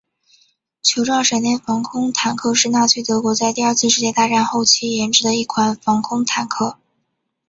球状闪电防空坦克是纳粹德国在第二次世界大战后期研制的一款防空坦克。